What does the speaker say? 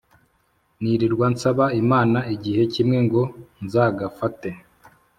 nirirwa nsaba imana igihe kimwe ngo nzagafate